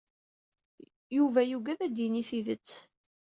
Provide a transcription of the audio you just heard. Yuba yuggad ad d-yini tidett.